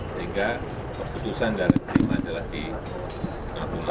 sehingga keputusan dari tim adalah di natuna